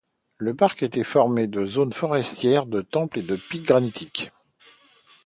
Le parc est formé de zones forestières, de temples et de pics granitiques.